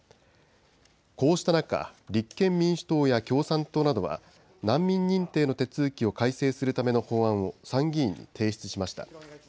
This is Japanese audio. こうした中、立憲民主党や共産党などは難民認定の手続きを改正するための法案を参議院に提出しました。